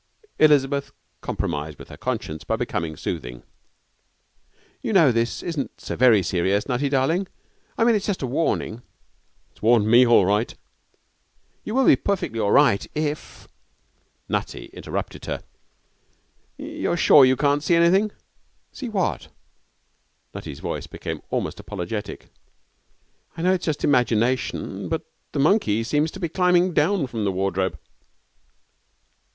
Elizabeth compromised with her conscience by becoming soothing. 'You know, this isn't so very serious, Nutty, darling. I mean, it's just a warning.' 'It's warned me all right.' 'You will be perfectly all right if ' Nutty interrupted her. 'You're sure you can't see anything?' 'See what?' Nutty's voice became almost apologetic. 'I know it's just imagination, but the monkey seems to me to be climbing down from the wardrobe.'